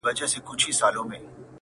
د دې قوم نصیب یې کښلی پر مجمر دی!!